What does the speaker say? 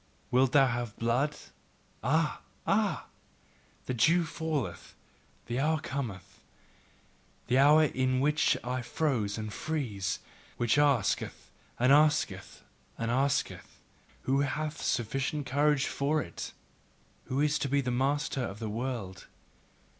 Wilt thou have blood? Ah! Ah! The dew falleth, the hour cometh The hour in which I frost and freeze, which asketh and asketh and asketh: "Who hath sufficient courage for it? Who is to be master of the world?